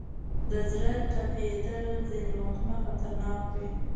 د زړه ټپېدل ځینې وختونه خطرناک وي.